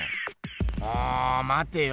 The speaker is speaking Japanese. おまてよ。